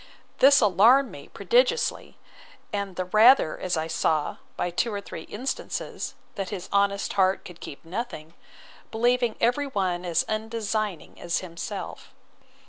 This alarmed me prodigiously; and the rather, as I saw, by two or three instances, that his honest heart could keep nothing, believing every one as undesigning as himself.